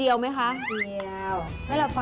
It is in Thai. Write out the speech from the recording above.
พี่เรานับการเด็กก็ไม่ชอบปลนะ